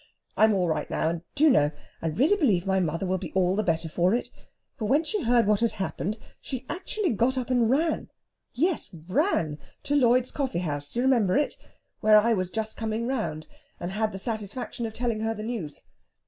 I am all right now, and, do you know, I really believe my mother will be all the better for it; for when she heard what had happened, she actually got up and ran yes, ran to Lloyd's Coffeehouse (you remember it?), where I was just coming round, and had the satisfaction of telling her the news.